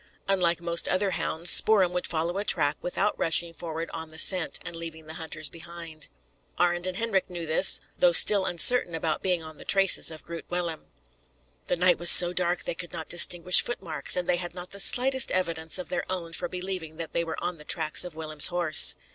Unlike most other hounds, Spoor'em would follow a track without rushing forward on the scent, and leaving the hunters behind. Arend and Hendrik knew this, though still uncertain about being on the traces of Groot Willem. The night was so dark they could not distinguish footmarks, and they had not the slightest evidence of their own for believing that they were on the tracks of Willem's horse.